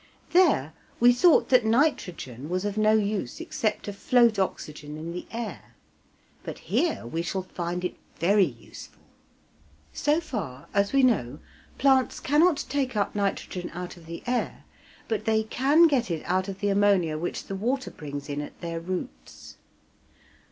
There we thought that nitrogen was of no use except to float oxygen in the air, but here we shall find it very useful. So far, as we know, plants cannot take up nitrogen out of the air, but they can get it out of the ammonia which the water brings in at their roots.